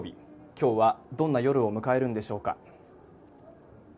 今日はどんな夜を迎えるんでしょうか。